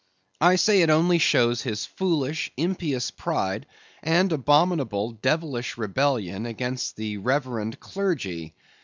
I say it only shows his foolish, impious pride, and abominable, devilish rebellion against the reverend clergy.